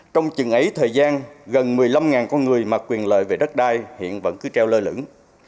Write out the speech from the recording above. trong chừng ấy thời gian gần một mươi năm con người mặc quyền lợi về đất đai hiện vẫn cứ treo lơ lửng